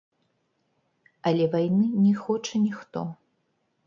Але вайны не хоча ніхто.